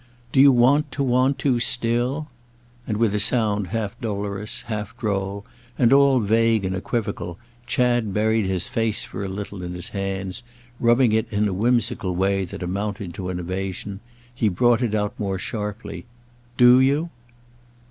Do you want to want to still?" As with a sound half dolorous, half droll and all vague and equivocal, Chad buried his face for a little in his hands, rubbing it in a whimsical way that amounted to an evasion, he brought it out more sharply: "Do you?"